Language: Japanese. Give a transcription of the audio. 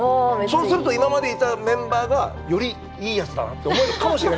そうすると今までいたメンバーがよりいいやつだなって思えるかもしれないし。